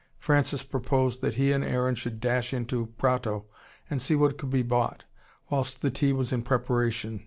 Francis proposed that he and Aaron should dash into Prato and see what could be bought, whilst the tea was in preparation.